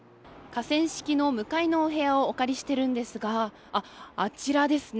河川敷の向かいのお部屋をお借りしているんですがあちらですね。